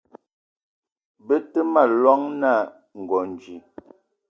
Be te ma llong na Ngonj